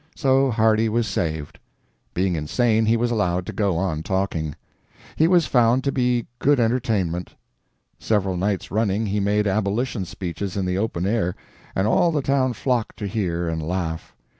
So Hardy was saved. Being insane, he was allowed to go on talking. He was found to be good entertainment. Several nights running he made abolition speeches in the open air, and all the town flocked to hear and laugh.